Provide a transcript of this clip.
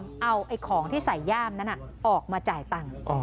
เอาของที่ใส่ย่ามนั้นออกมาจ่ายตังค์